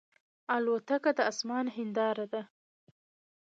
الوتکه د آسمان هنداره ده.